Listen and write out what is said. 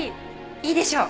いいでしょう？